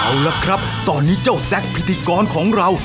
เอาละครับตอนนี้เจ้าแซคพิธีกรของเรา